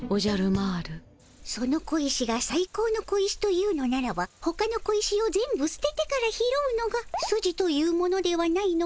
その小石がさい高の小石と言うのならばほかの小石を全部すててから拾うのがスジというものではないのかの？